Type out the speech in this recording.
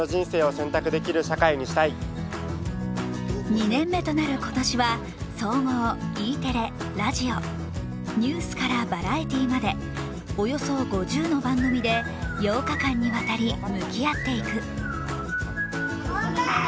２年目となる今年は総合、Ｅテレ、ラジオニュースからバラエティーまでおよそ５０の番組で８日間にわたり、向き合っていく。